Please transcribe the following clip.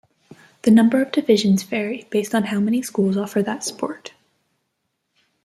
The number of divisions vary based on how many schools offer that sport.